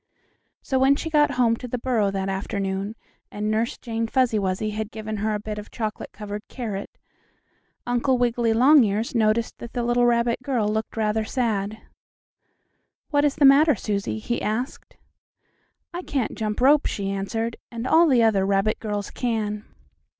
So when she got home to the burrow that afternoon, and Nurse Jane Fuzzy Wuzzy had given her a bit of chocolate covered carrot, Uncle Wiggily Longears noticed that the little rabbit girl looked rather sad. "What is the matter, Susie?" he asked. "I can't jump rope," she answered, "and all the other rabbit girls can."